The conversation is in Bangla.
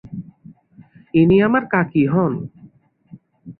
ইনি আমার কাকি হন।